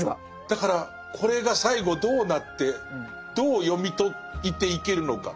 だからこれが最後どうなってどう読み解いていけるのか。